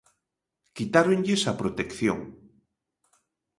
Quitáronlles a protección.